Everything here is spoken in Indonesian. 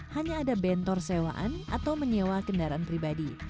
hanya ada bentor sewaan atau menyewa kendaraan pribadi